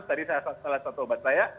tadi saya lihat salah satu obat saya